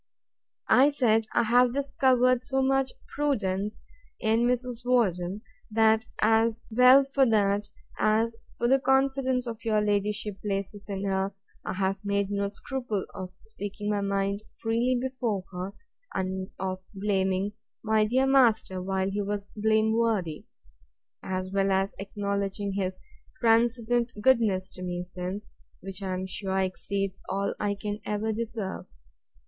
I said, I have discovered so much prudence in Mrs. Worden, that, as well for that, as for the confidence your ladyship places in her, I have made no scruple of speaking my mind freely before her; and of blaming my dear master while he was blameworthy, as well as acknowledging his transcendent goodness to me since; which, I am sure, exceeds all I can ever deserve.